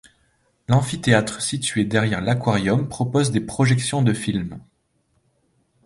L'amphithéâtre situé derrière l’aquarium propose des projections de films.